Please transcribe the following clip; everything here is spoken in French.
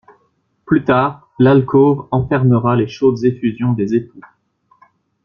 Plus tard, l'alcôve enferma les chaudes effusions des époux.